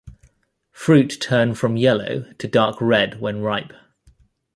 Fruit turn from yellow to dark-red when ripe.